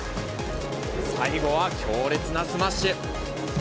最後は強烈なスマッシュ。